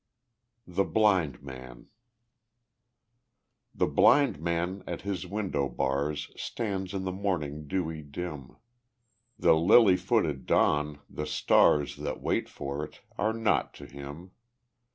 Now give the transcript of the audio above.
The Blind Man The blind man at his window bars Stands in the morning dewy dim; The lily footed dawn, the stars That wait for it, are naught to him.